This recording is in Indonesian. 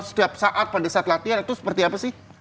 setiap saat pada saat latihan itu seperti apa sih